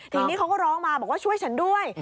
ทีนี้เขาก็ร้องมาบอกว่าช่วยฉันด้วย